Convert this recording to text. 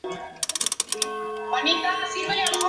El mánager con la puntuación más alta en cada liga gana el premio.